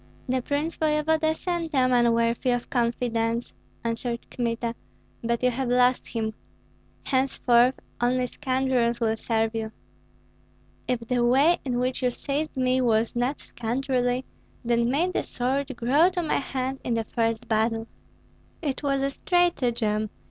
"The prince voevoda sent a man worthy of confidence," answered Kmita, "but you have lost him. Henceforth only scoundrels will serve you." "If the way in which you seized me was not scoundrelly, then may the sword grow to my hand in the first battle." "It was a stratagem!